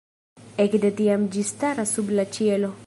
Ekde tiam ĝi staras sub la ĉielo.